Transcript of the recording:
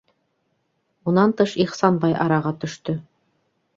Унан тыш Ихсанбай араға төштө.